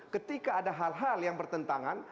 ketika ada hal hal yang bertentangan